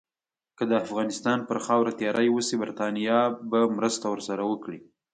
که د افغانستان پر خاوره تیری وشي، برټانیه به مرسته ورسره وکړي.